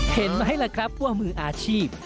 เห็นไหมล่ะครับว่ามืออาชีพ